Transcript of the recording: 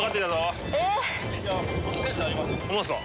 ホンマですか？